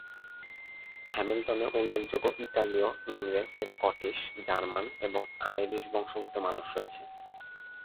হ্যামিল্টনে উল্লেখযোগ্য ইতালিয়, ইংরেজ, স্কটিশ, জার্মান এবং আইরিশ বংশোদ্ভূত মানুষ রয়েছে।